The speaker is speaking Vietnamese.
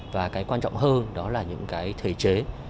và cái quan trọng hơn đó là những cái thể chế